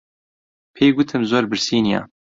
پێی گوتم زۆر برسی نییە.